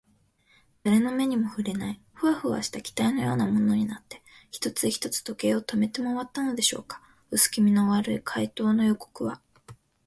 だれの目にもふれない、フワフワした気体のようなものになって、一つ一つ時計を止めてまわったのでしょうか。うすきみの悪い怪盗の予告は、